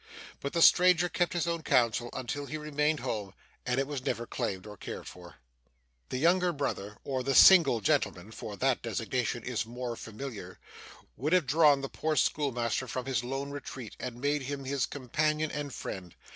But the stranger kept his own counsel until he returned home, and it was never claimed or cared for. The younger brother, or the single gentleman, for that designation is more familiar, would have drawn the poor schoolmaster from his lone retreat, and made him his companion and friend.